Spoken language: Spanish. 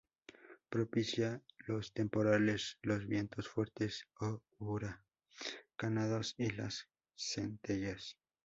Propicia los temporales, los vientos fuertes o huracanados y las centellas.